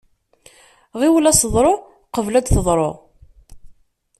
Ɣiwel aseḍru, qebl ad teḍru.